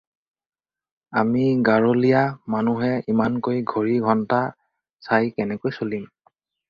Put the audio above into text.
আমি গাৰলীয়া মানুহে ইমানকৈ ঘড়ী ঘণ্টা চাই কেনেকৈ চলিম।